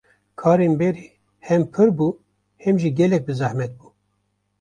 Karên berê hêm pir bû hêm jî gelek bi zehmet bû.